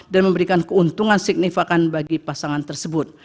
dan memberikan keuntungan signifikan bagi pasangan tersebut